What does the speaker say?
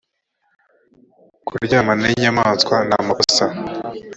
kuryamana n’ inyamaswa namakosa.